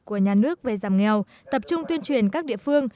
của nhà nước về giảm nghèo tập trung tuyên truyền các địa phương